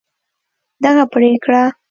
دغه پرېکړه